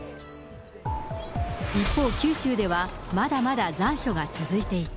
一方、九州では、まだまだ残暑が続いていて。